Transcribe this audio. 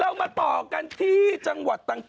เรามาต่อกันที่จังหวัดต่าง